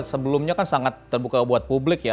sebelumnya kan sangat terbuka buat publik ya